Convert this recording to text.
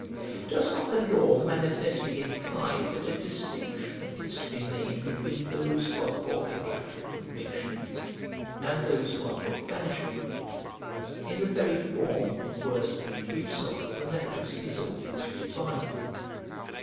Does not the law manifestly imply that a distinction is to be made between those who are for a capital conviction, and those who are for banishment, in the very form of words made use of when the house is ordered to divide?